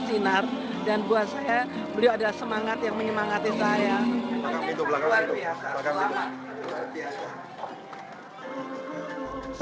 sinar dan buat saya beliau ada semangat yang menyimangati saya itu luar biasa